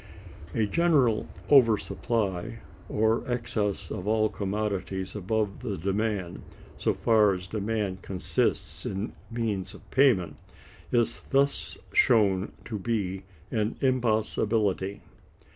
A general over supply, or excess of all commodities above the demand, so far as demand consists in means of payment, is thus shown to be an impossibility.